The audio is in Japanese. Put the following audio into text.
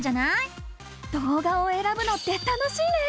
動画をえらぶのって楽しいね！